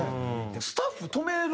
スタッフ止めるでしょ？